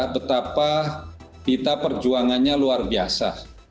betapa kita perjuangannya luar biasa